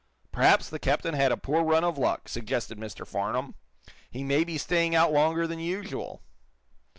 "Perhaps the captain had a poor run of luck," suggested Mr. Farnum. "He may be staying out longer than usual."